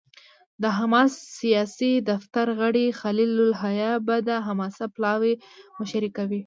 د حماس سیاسي دفتر غړی خلیل الحية به د حماس پلاوي مشري کوي.